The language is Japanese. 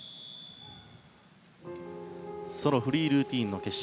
ソロフリールーティンの決勝